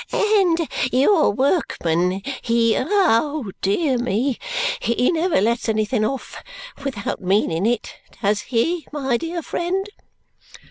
"And your workman. He Oh, dear me! he never lets anything off without meaning it, does he, my dear friend?"